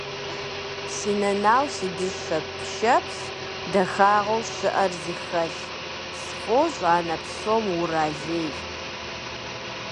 Си нанэу си дыщэ пшэплъ, дахагъэу щыӏэр зыхэлъ, сфӏощӏ анэ псом уралей.